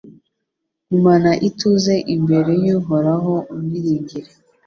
Gumana ituze imbere y’Uhoraho umwiringire